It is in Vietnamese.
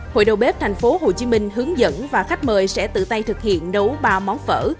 hội đầu bếp tp hcm hướng dẫn và khách mời sẽ tự tay thực hiện nấu ba món phở